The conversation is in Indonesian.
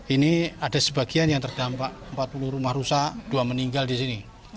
ini ada sebagian yang terdampak empat puluh rumah rusak dua meninggal di sini